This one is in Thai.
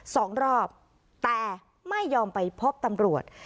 สองรอบแต่ไม่ยอมไปพบตำรวจ